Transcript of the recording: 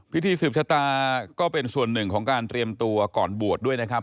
พิธีสืบชะตาก็เป็นส่วนหนึ่งของการเตรียมตัวก่อนบวชด้วยนะครับ